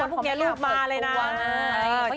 พวกมันไม่ต้องเปิดตัว